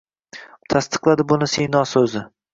Tasdiqladi buni Sino soʼzi